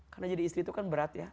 karena jadi istri itu kan berat ya